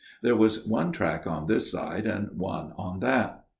" There was one track on this side, and one on that.